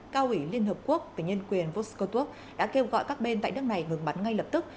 cao ủy liên hợp quốc về nhân quyền voscow đã kêu gọi các bên tại nước này ngừng bắn ngay lập tức